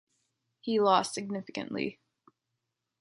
He lost significantly.